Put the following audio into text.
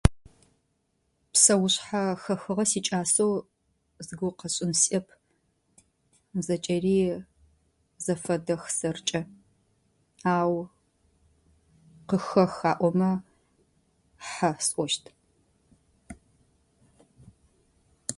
Псэушъхьэ хэхыгъэ сикӏасэу зыгорэ къэсшӏэн сиӏэп. Зэкӏэри зэфэдэх сэркӏэ, ау къыхэх аӏомэ хьэ сӏощт.